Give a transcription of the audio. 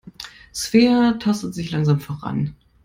Svea tastet sich langsam voran.